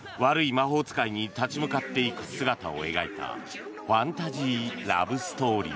魔法使いに立ち向かっていく姿を描いたファンタジーラブストーリー。